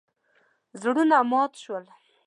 زړونه مات شول.